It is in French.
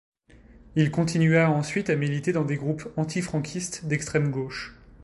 Il continua ensuite à militer dans des groupes antifranquistes d'extrême gauche.